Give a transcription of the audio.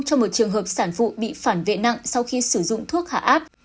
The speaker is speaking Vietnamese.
cho một trường hợp sản phụ bị phản vệ nặng sau khi sử dụng thuốc hạ áp